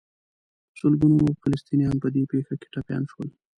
په سلګونو نور فلسطینیان په دې پېښه کې ټپیان شول.